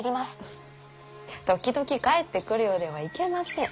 時々帰ってくるようではいけません。